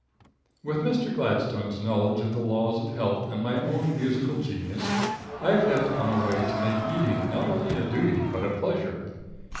With Mr. Gladstone's knowledge of the laws of health and my own musical genius, I have hit on a way to make eating not only a duty, but a pleasure.